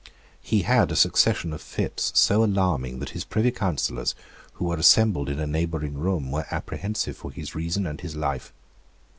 He had a succession of fits so alarming that his Privy Councillors, who were assembled in a neighbouring room, were apprehensive for his reason and his life.